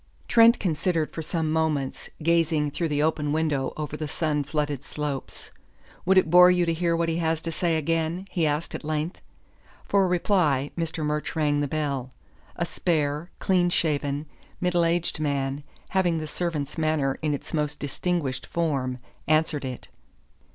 Trent considered for some moments, gazing through the open window over the sun flooded slopes. "Would it bore you to hear what he has to say again?" he asked at length. For reply, Mr. Murch rang the bell. A spare, clean shaven, middle aged man, having the servant's manner in its most distinguished form, answered it.